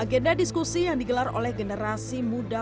agenda diskusi yang digelar oleh generasi muda